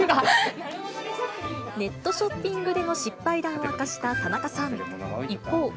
ネットショッピングでの失敗談を明かした田中さん。